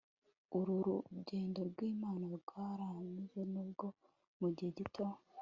Uru rugendo rwimva rwaranyuze nubwo mugihe gito